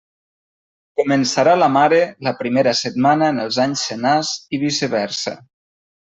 Començarà la mare la primera setmana en els anys senars i viceversa.